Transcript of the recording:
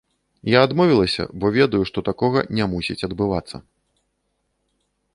Я адмовілася, бо ведаю, што такога не мусіць адбывацца.